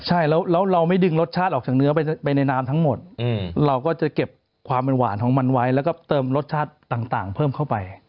ใช่แล้วเราไม่ดึงรสชาติออกจากเนื้อไปในน้ำทั้งหมดเราก็จะเก็บความเป็นหวานของมันไว้แล้วก็เติมรสชาติต่างเพิ่มเข้าไป